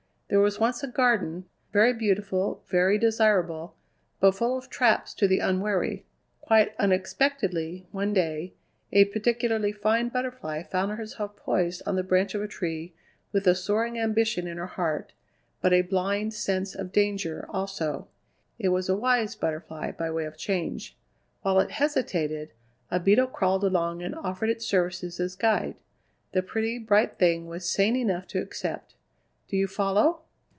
There was once a garden, very beautiful, very desirable, but full of traps to the unwary. Quite unexpectedly, one day, a particularly fine butterfly found herself poised on the branch of a tree with a soaring ambition in her heart, but a blind sense of danger, also. It was a wise butterfly, by way of change. While it hesitated, a beetle crawled along and offered its services as guide. The pretty, bright thing was sane enough to accept. Do you follow?"